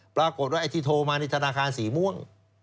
ปรากฏว่าไอ้ที่โทรมานี่ธนาคารสีม่วง